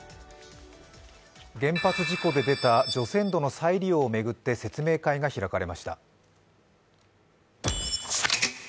原発事故で出た除染土の再利用を巡って説明会が開かれました。